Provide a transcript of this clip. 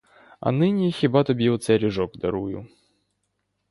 А нині хіба тобі оцей ріжок дарую.